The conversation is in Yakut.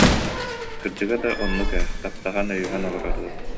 Кырдьыга да оннук ээ, таптаһан, өйөһөн олорор ыал